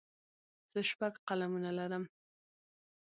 زه شپږ قلمونه لرم.